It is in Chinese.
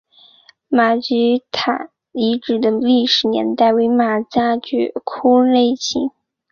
马聚垣遗址的历史年代为马家窑类型。